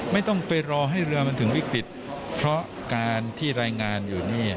ไม่ต้องไปรอให้เรือมันถึงวิกฤตเพราะการที่รายงานอยู่เนี่ย